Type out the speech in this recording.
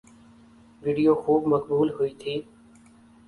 video خوب مقبول ہوئی تھی